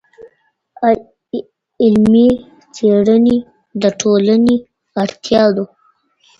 علمي څېړنې د ټولنې اړتیا ده.